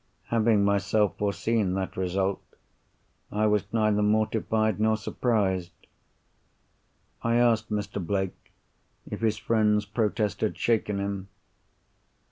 Having myself foreseen that result, I was neither mortified nor surprised. I asked Mr. Blake if his friend's protest had shaken him.